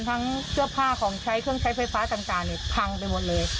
ทั้งเสื้อผ้าของใช้เครื่องใช้ไฟฟ้าต่างพังไปหมดเลย